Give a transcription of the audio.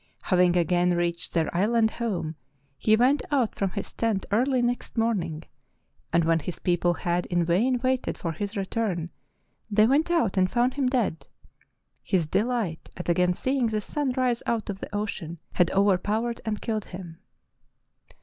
Having again reached their island home, he went out from his tent early next morning, and when his people had in vain waited for his return they went out and found him dead. His delight at again seeing the sun rise out of the ocean had overpowered and killed him."